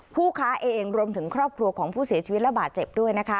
ผู้ค้าเองรวมถึงครอบครัวของผู้เสียชีวิตระบาดเจ็บด้วยนะคะ